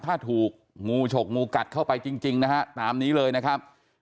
ถ้าถูกงูฉกงูกัดเข้าไปจริงนะฮะตามนี้เลยนะครับ